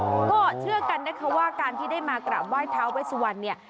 ก็เชื่อกันนะคะว่าการที่ได้มากราบไหว้ท้าเวสวันเนี่ย